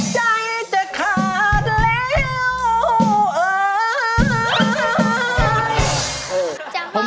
ใจจะขาดแล้วเอ่ย